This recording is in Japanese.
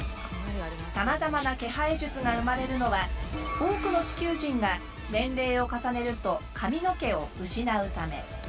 さまざまな毛生え術が生まれるのは多くの地球人が年齢を重ねると髪の毛を失うため。